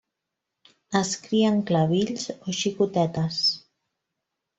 Es cria en clavills o xicotetes.